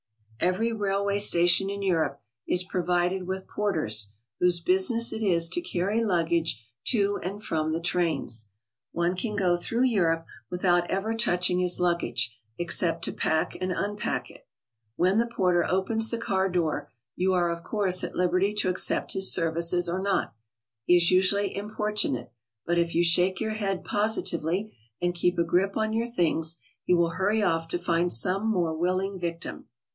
Every railway station in Europe is provided with por ters, whose business it is to carry luggage to and from the trains. One can go through Europe without ever touching his luggage, except to pack and unpack it. When the porter opens the car door, you are of course at liberty to accept his services or not. He is usually importunate, but if you shake your 'head positively and keep a grip on 3^our things, he will hurry off to find some more willing victim.